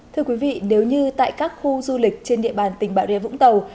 thưa quý vị nếu như tại các khu du lịch trên địa bàn tỉnh bà rê vũng tàu